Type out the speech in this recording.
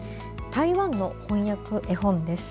台湾の翻訳絵本です。